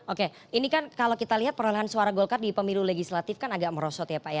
oke ini kan kalau kita lihat perolehan suara golkar di pemilu legislatif kan agak merosot ya pak ya